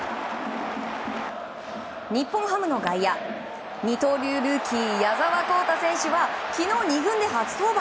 日本ハムの外野、二刀流ルーキー矢澤宏太選手は昨日２軍で初登板。